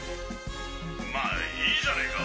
まぁいいじゃねぇか。